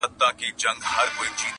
• موږ پخپله دی ښکاري ته پر ورکړی -